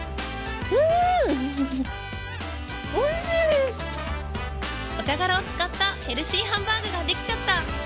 お茶殻を使ったヘルシーハンバーグができちゃった